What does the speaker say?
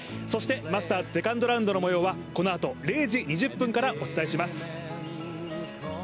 そしてマスターズセカンドラウンドの模様はこのあと０時２０分からお伝えします。